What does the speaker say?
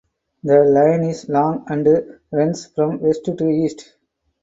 The line is long and runs from west to east.